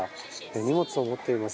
荷物を持っています。